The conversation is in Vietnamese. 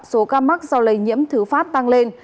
số ca mắc do lây nhiễm thứ phát tăng lên